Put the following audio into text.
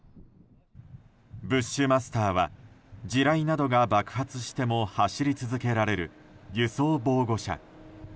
ブッシュマスターは地雷などが爆発しても走り続けられる輸送防護車。